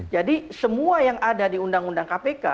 jadi semua yang ada di undang undang kpk